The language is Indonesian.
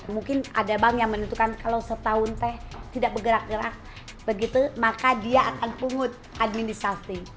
mungkin ada bank yang menentukan kalau setahun teh tidak bergerak gerak begitu maka dia akan pungut administrasi